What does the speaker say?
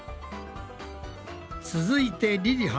続いてりりは。